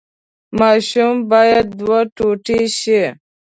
ماشوم باید دوه ټوټې شي.